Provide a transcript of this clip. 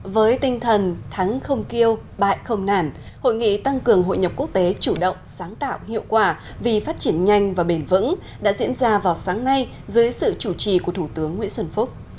với tinh thần thắng không kêu bại không nản hội nghị tăng cường hội nhập quốc tế chủ động sáng tạo hiệu quả vì phát triển nhanh và bền vững đã diễn ra vào sáng nay dưới sự chủ trì của thủ tướng nguyễn xuân phúc